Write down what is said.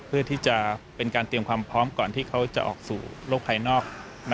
เพื่อที่จะเป็นการเตรียมความพร้อมก่อนที่เขาจะออกสู่โลกภายนอก